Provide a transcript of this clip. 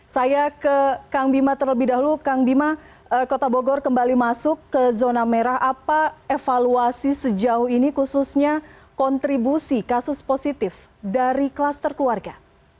saya ke kang bima terlebih dahulu kang bima kota bogor kembali masuk ke zona merah apa evaluasi sejauh ini khususnya kontribusi kasus positif dari kluster keluarga